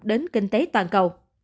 đến kinh tế toàn cầu